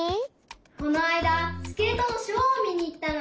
このあいだスケートのショーをみにいったの。